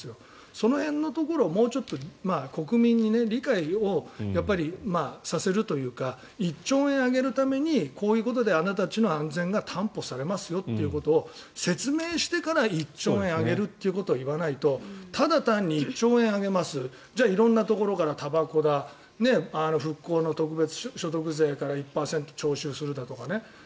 その辺のところをもうちょっと国民に理解をさせるというか１兆円上げるためにこういうことであなたたちの安全が担保されますよということを説明してから１兆円上げるということを言わないとただ単に、１兆円上げますじゃあ、色んなところからたばこだ復興の特別所得税から１％徴収するだとかね。